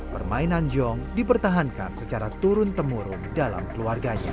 permainan jong dipertahankan secara turun temurun dalam keluarganya